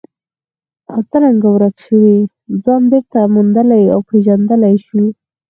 او څرنګه ورک شوی ځان بېرته موندلی او پېژندلی شو.